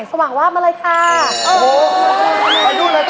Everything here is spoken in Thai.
สวัสดีครับ